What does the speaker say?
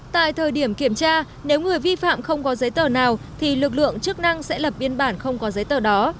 tại thời điểm kiểm tra nếu người vi phạm không có giấy tờ nào thì lực lượng chức năng sẽ lập biên bản không có giấy tờ đó